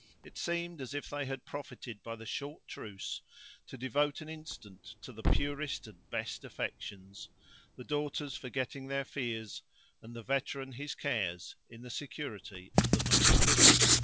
It seemed as if they had profited by the short truce, to devote an instant to the purest and best affection; the daughters forgetting their fears, and the veteran his cares, in the security of the moment.